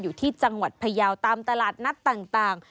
อยู่ที่จังหวัดพยาวตามตลาดนัดต่าง